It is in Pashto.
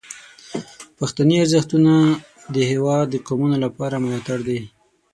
پښتني ارزښتونه د هیواد د قومونو لپاره ملاتړ دي.